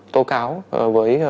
tô cáo với